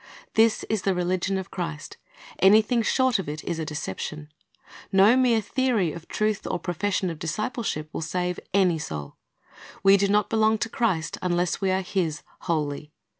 This is the religion of Christ. Anything short of it is a deception. No mere theory of truth or profession of discipleship will save any soul. We do not belong to Christ unless we are His wholly.